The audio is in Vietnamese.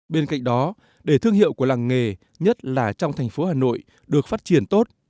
bên cạnh đó để thương hiệu của làng nghề nhất là trong thành phố hà nội được phát triển tốt